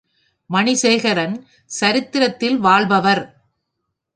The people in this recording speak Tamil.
மணிசேகரன் சரித்திரத்தில் வாழ்பவர்.